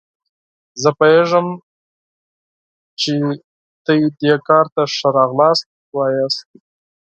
زه پوهیږم چې تاسو دې کار ته ښه راغلاست وایاست.